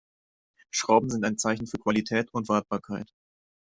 Schrauben sind ein Zeichen für Qualität und Wartbarkeit.